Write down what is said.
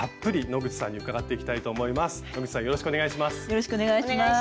野口さんよろしくお願いします。